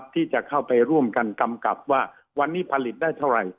ที่จะเข้าไปร่วมกันกำกับว่าวันนี้ผลิตได้เท่าไหร่